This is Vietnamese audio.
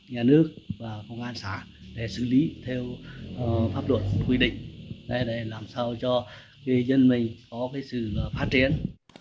nhà nước và công an xã để xử lý theo pháp luật quy định để làm sao cho dân mình có sự phát triển